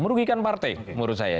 merugikan partai menurut saya